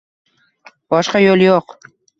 Boshqa yo'l yo'q